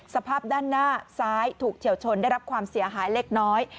สภาพด้านหน้าซ้ายถูกเฉียวชนได้รับความเสียหายเล็กน้อย